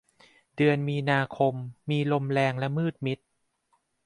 เดือนมีนาคม มีลมแรงและมืดมิด